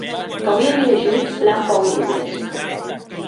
Qu’auie liejut plan pòqui libres.